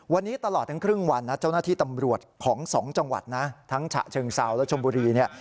วันนี้ตลอดทั้งครึ่งวันนะเจ้าหน้าที่ตำรวจของสองจังหวัดนะทั้งฉะเชิงเซาและชมบุรีเนี่ย